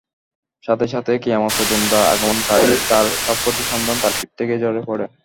সাথে সাথে কিয়ামত পর্যন্ত আগমনকারী তার সবকটি সন্তান তাঁর পিঠ থেকে ঝরে পড়ে।